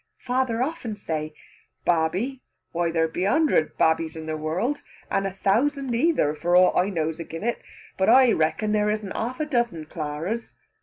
Father often say, "Babby! Why there be a hundred babbies in the world, and a thousand either, for ought I knows again it, but I reckon there isn't half a dozen Claras."